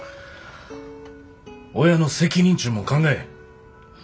親の責任ちゅうもん考え。